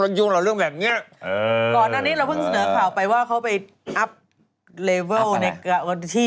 เพิ่งจะมีข่าวแบบนี้